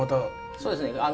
そうですね。